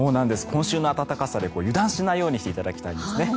今週の暖かさで油断しないようにしていただきたいんですね。